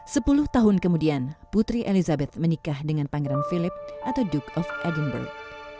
sepuluh tahun kemudian putri elizabeth menikah dengan pangeran philip atau duke of edinburgh